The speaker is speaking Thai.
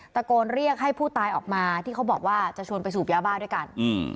ตะโกนเรียกให้ผู้ตายออกมาที่เขาบอกว่าจะชวนไปสูบยาบ้าด้วยกัน